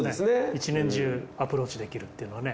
１年中アプローチできるっていうのはね。